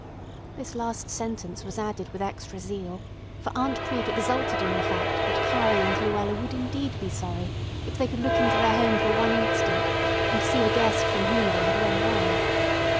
This last sentence was added with extra zeal, for Aunt Crete exulted in the fact that Carrie and Luella would indeed be sorry if they could look into their home for one instant and see the guest from whom they had run away.